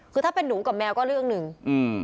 คือถ้าเป็นหนูกับแมวก็เรื่องหนึ่งอืม